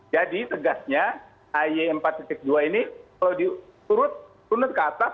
jadi tegasnya ay empat dua ini kalau disurut turun ke atas